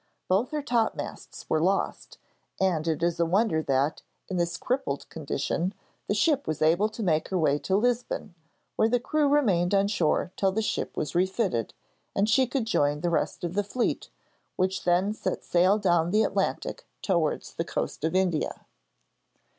Both her topmasts were lost, and it is a wonder that, in this crippled condition, the ship was able to make her way to Lisbon, where the crew remained on shore till the ship was refitted, and she could join the rest of the fleet, which then set sail down the Atlantic towards the coast of India.